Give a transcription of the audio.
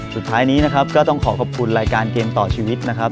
สุดท้ายนี้นะครับก็ต้องขอขอบคุณรายการเกมต่อชีวิตนะครับ